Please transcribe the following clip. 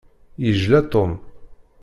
Yejla Tom.